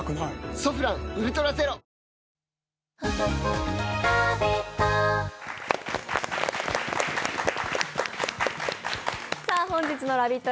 「ソフランウルトラゼロ」本日のラヴィット！